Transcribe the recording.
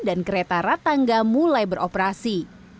dan kereta ratangga mulai beroperasi